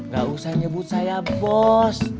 gak usah nyebut saya bos